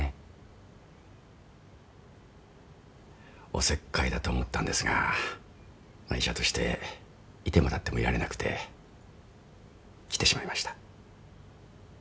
おせっかいだと思ったんですが医者として居ても立ってもいられなくて来てしまいました。